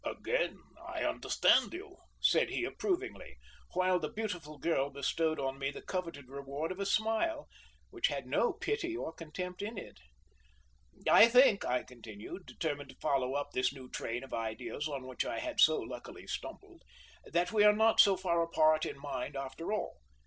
"Again I understand you," said he approvingly; while the beautiful girl bestowed on me the coveted reward of a smile, which had no pity or contempt in it. "I think," I continued, determined to follow up this new train of ideas on which I had so luckily stumbled, "that we are not so far apart in mind after all.